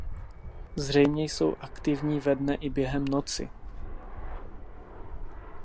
Zřejmě jsou aktivní ve dne i během noci.